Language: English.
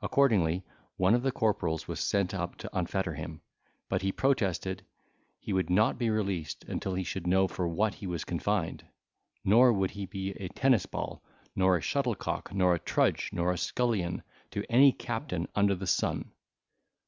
Accordingly one of the corporals was sent up to unfetter him, but he protested he would not be released until he should know for what he was confined; nor would he be a tennisball, nor a shuttlecock, nor a trudge, nor a scullion, to any captain under the sun.